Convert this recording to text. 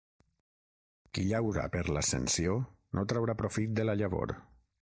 Qui llaura per l'Ascensió no traurà profit de la llavor.